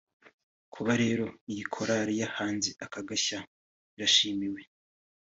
kuba rero iyi korali yahanze aka gashya yarashimiwe